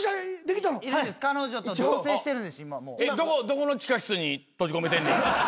どこの地下室に閉じ込めてんねん。